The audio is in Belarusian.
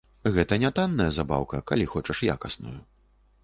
Гэта не танная забаўка, калі хочаш якасную.